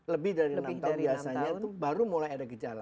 lebih dari enam tahun biasanya itu baru mulai ada gejala